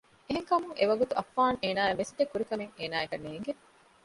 އެހެންކަމުން އެ ވަގުތު އައްފާން އޭނާއަށް މެސެޖެއް ކުރިކަމެއް އޭނާއަކަށް ނޭނގެ